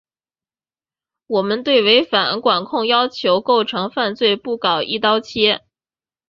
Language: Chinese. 我们对违反管控要求构成犯罪不搞‘一刀切’